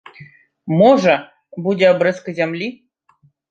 Можа, будзе абрэзка зямлі?